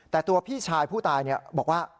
แต่ตัวพี่ชายผู้ตายบอกว่า